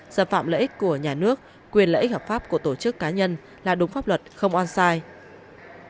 xâm phạm lợi ích của nhà nước quyền lợi ích hợp pháp của tổ chức cá nhân là đúng pháp luật không oan sai